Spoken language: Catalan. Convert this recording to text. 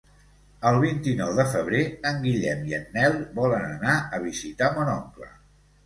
El vint-i-nou de febrer en Guillem i en Nel volen anar a visitar mon oncle.